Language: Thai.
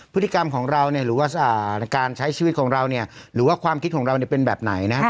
พฤติกรรมของเราหรือว่าการใช้ชีวิตของเราเนี่ยหรือว่าความคิดของเราเป็นแบบไหนนะ